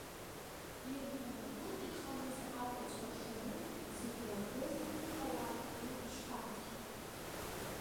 Иргаратәы иҟамыз ахәцәа шаны, зыгәра ргоз акыҭауаа рыҟны ишьҭарҵеит.